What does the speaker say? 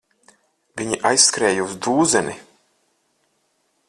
Viņi aizskrēja uz dūzeni.